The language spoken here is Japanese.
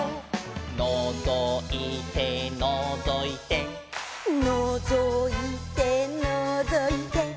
「のぞいてのぞいて」「のぞいてのぞいて」